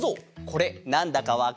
これなんだかわかる？